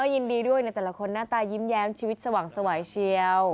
ยินดีด้วยในแต่ละคนหน้าตายิ้มชีวิตสว่างสวายเชียว